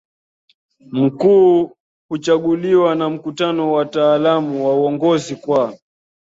mkuu huchaguliwa na Mkutano wa Wataalamu wa Uongozi kwa